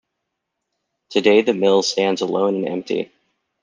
Today the mill stands alone and empty.